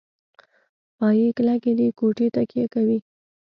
پایې کلکې دي کوټې تکیه کوي.